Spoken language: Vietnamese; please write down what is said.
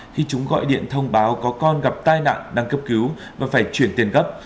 khi chúng gọi điện thông báo có con gặp tai nạn đang cấp cứu và phải chuyển tiền gấp